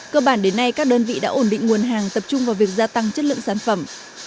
cơ bản đến nay các đơn vị đã ổn định nguồn hàng tập trung vào việc gia tăng chất lượng sản phẩm